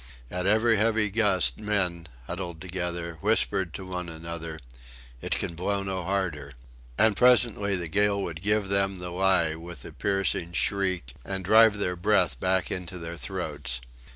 At every heavy gust men, huddled together, whispered to one another, "It can blow no harder," and presently the gale would give them the lie with a piercing shriek, and drive their breath back into their throats.